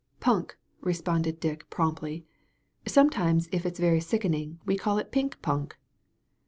"Punk," responded Dick promptly. " Sometimes, if it's very sickening, we call it pink punk."